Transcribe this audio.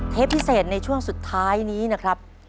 พิเศษในช่วงสุดท้ายนี้นะครับ